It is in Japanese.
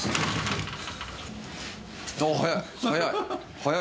早い。